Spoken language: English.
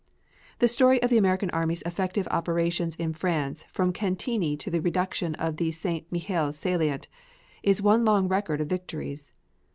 The story of the American army's effective operations in France from Cantigny to the reduction of the St. Mihiel salient, is one long record of victories.